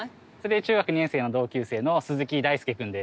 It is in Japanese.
中学２年生の同級生の鈴木大介君です。